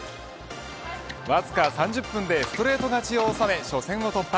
わずか３０分でストレート勝ちを収め初戦を突破。